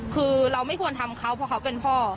คือเราไม่ควรทำเขาเพราะเขาเป็นพ่อ